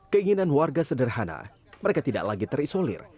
keinginan warga sederhana mereka tidak lagi terisolir